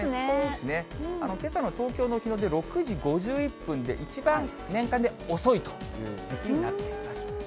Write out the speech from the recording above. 少しね、けさの東京の日の出、６時５１分で、一番年間で遅いという時期になっています。